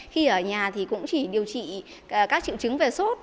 khi ở nhà thì cũng chỉ điều trị các triệu chứng về sốt